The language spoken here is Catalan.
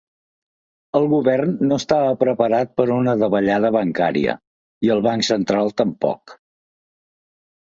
El govern no estava preparat per una davallada bancària, i el banc central tampoc.